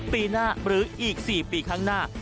ปีหน้าหรืออีก๔ปีข้างหน้า